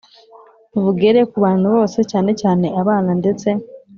bugere ku bantu bose cyane cyane abana ndetse